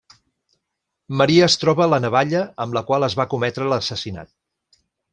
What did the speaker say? Maria es troba la navalla amb la qual es va cometre l'assassinat.